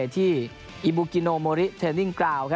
ที่อิบุกิโนมอริเทรนดิ้งกราว